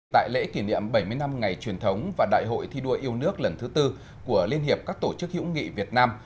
tại lễ kỷ niệm bảy mươi năm ngày truyền thống và đại hội thi đua yêu nước lần thứ tư của liên hiệp các tổ chức hữu nghị việt nam